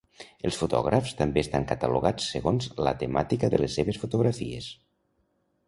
Els fotògrafs també estan catalogats segons la temàtica de les seves fotografies.